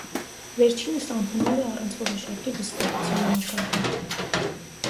Վերջինս անհնար է առանց որոշակի վստահության մակարդակի։